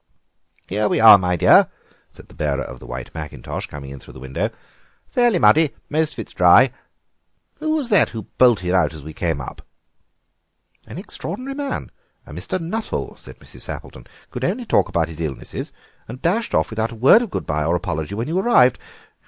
"Here we are, my dear," said the bearer of the white mackintosh, coming in through the window; "fairly muddy, but most of it's dry. Who was that who bolted out as we came up?" "A most extraordinary man, a Mr. Nuttel," said Mrs. Sappleton; "could only talk about his illnesses, and dashed off without a word of good bye or apology when you arrived.